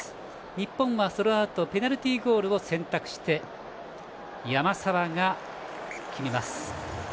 日本はそのあとペナルティーゴールを選択して山沢が決めます。